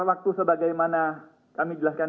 waktu sebagaimana kami jelaskan